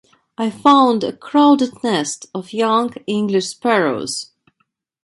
I found a crowded nest of young English sparrows.